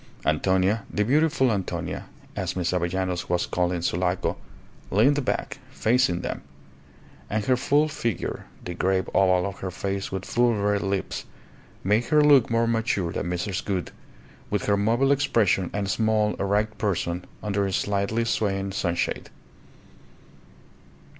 Antonia, the beautiful Antonia, as Miss Avellanos was called in Sulaco, leaned back, facing them; and her full figure, the grave oval of her face with full red lips, made her look more mature than Mrs. Gould, with her mobile expression and small, erect person under a slightly swaying sunshade.